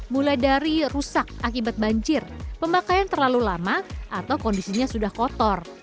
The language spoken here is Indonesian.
mulai dari rusak akibat banjir pemakaian terlalu lama atau kondisinya sudah kotor